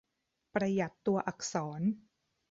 ประหยัดตัวอักษร